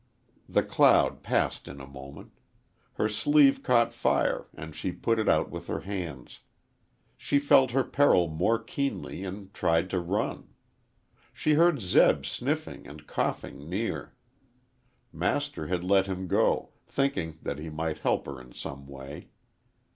The cloud passed in a moment. Her sleeve caught fire and she put it out with her hand. She felt her peril more keenly and tried to run. She heard Zeb sniffing and coughing near. Master had let him go, thinking that he might help her in some way.